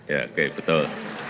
ya oke betul